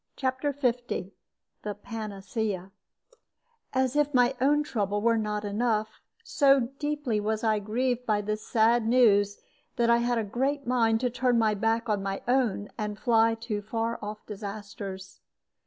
CHAPTER L THE PANACEA As if my own trouble were not enough, so deeply was I grieved by this sad news that I had a great mind to turn back on my own and fly to far off disasters.